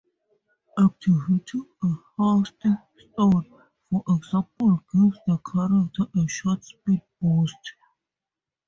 Activating a Haste Stone, for example, gives the character a short speed boost.